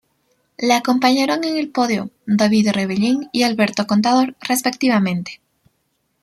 Le acompañaron en el podio Davide Rebellin y Alberto Contador, respectivamente.